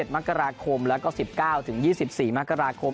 ๑มกราคมแล้วก็๑๙๒๔มกราคม